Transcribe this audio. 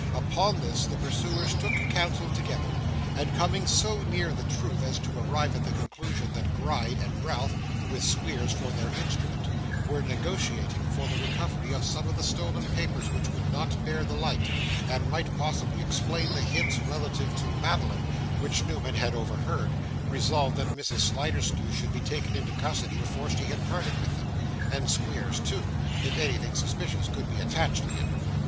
Upon this, the pursuers took counsel together, and, coming so near the truth as to arrive at the conclusion that Gride and Ralph, with Squeers for their instrument, were negotiating for the recovery of some of the stolen papers which would not bear the light, and might possibly explain the hints relative to Madeline which Newman had overheard, resolved that Mrs Sliderskew should be taken into custody before she had parted with them: and Squeers too, if anything suspicious could be attached to him.